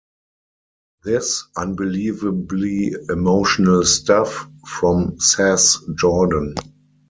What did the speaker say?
This unbelievably emotional stuff, from Sass Jordan.